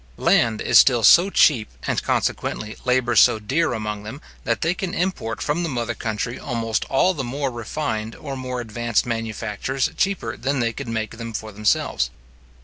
Land is still so cheap, and, consequently, labour so dear among them, that they can import from the mother country almost all the more refined or more advanced manufactures cheaper than they could make them for themselves.